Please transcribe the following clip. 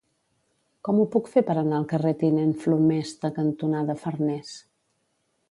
Com ho puc fer per anar al carrer Tinent Flomesta cantonada Farnés?